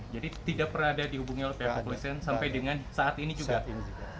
jadi tidak pernah ada dihubungi oleh pihak kepolisian sampai dengan saat ini juga